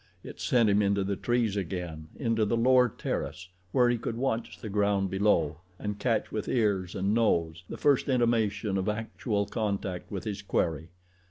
It sent him into the trees again—into the lower terrace where he could watch the ground below and catch with ears and nose the first intimation of actual contact with his quarry.